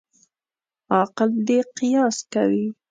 عاقل دي قیاس کوي.